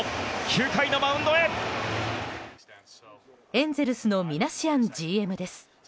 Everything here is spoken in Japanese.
エンゼルスのミナシアンＧＭです。